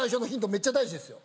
めっちゃ大事ですよ